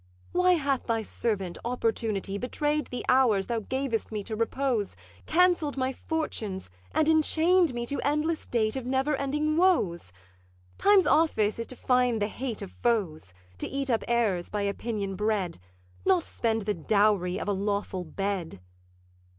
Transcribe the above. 'Why hath thy servant, Opportunity, Betray'd the hours thou gavest me to repose, Cancell'd my fortunes, and enchained me To endless date of never ending woes? Time's office is to fine the hate of foes; To eat up errors by opinion bred, Not spend the dowry of a lawful bed.